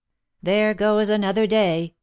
" There goes another day !"